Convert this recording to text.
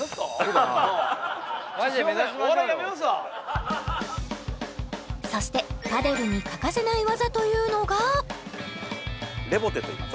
マジで目指しましょうよそしてパデルに欠かせない技というのがレボテといいます